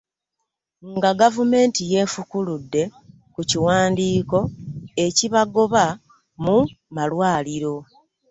Nga gavumenti yeefukuludde ku kiwandiiko ekibagoba mu malwaliro